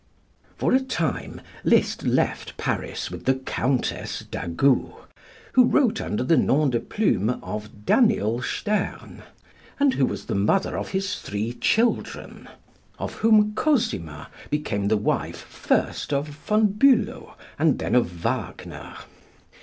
For a time Liszt left Paris with the Countess d'Agoult, who wrote under the nom de plume of Daniel Stern, and who was the mother of his three children, of whom Cosima became the wife, first of Von Bülow and then of Wagner.